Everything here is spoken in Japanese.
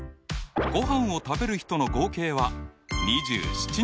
ごはんを食べる人の合計は２７人。